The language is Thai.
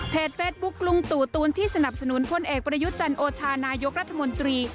เฟสบุ๊คลุงตู่ตูนที่สนับสนุนพลเอกประยุทธ์จันโอชานายกรัฐมนตรี